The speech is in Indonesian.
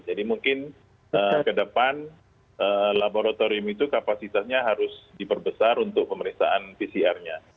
jadi mungkin ke depan laboratorium itu kapasitasnya harus diperbesar untuk pemeriksaan pcr nya